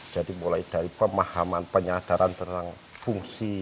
jadi mulai dari pemahaman penyadaran tentang fungsi